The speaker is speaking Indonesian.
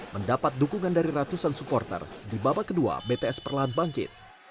mendapat dukungan dari ratusan supporter di babak kedua bts perlahan bangkit